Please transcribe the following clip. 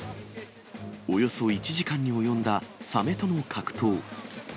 およそ１時間に及んだサメとの格闘。